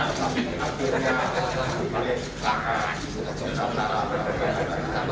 ada sekitar delapan puluh an lebih